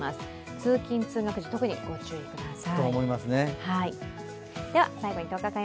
通勤・通学時、特にご注意ください。